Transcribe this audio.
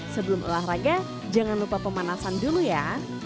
sebelum olahraga jangan lupa pemanasan dulu ya